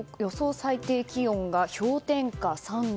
最低気温が氷点下３度。